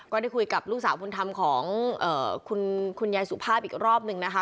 ก็ได้คุยกับลูกสาวบุญธรรมของคุณยายสุภาพอีกรอบนึงนะคะ